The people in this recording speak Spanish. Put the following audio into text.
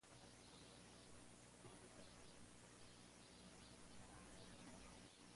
Estos cactus son normalmente solitarios pero algunas veces se encuentran en pequeños grupos.